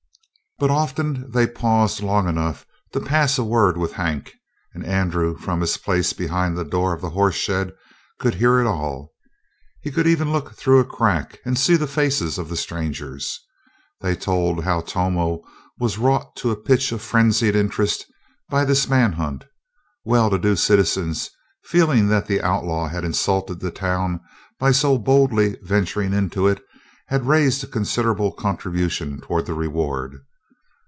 But often they paused long enough to pass a word with Hank, and Andrew, from his place behind the door of the horse shed, could hear it all. He could even look through a crack and see the faces of the strangers. They told how Tomo was wrought to a pitch of frenzied interest by this manhunt. Well to do citizens, feeling that the outlaw had insulted the town by so boldly venturing into it, had raised a considerable contribution toward the reward.